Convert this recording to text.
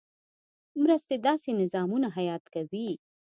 مرستې داسې نظامونه حیات کوي.